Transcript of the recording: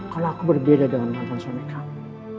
kalo aku berbeda dengan mantan suami kamu